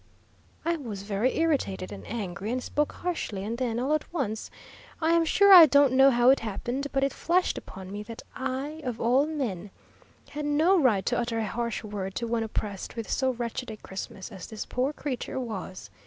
I was very irritated and angry, and spoke harshly; and then, all at once, I am sure I don't know how it happened, but it flashed upon me that I, of all men, had no right to utter a harsh word to one oppressed with so wretched a Christmas as this poor creature was.